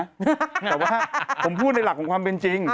แต่ว่าผมพูดในหลักของความเป็นจริง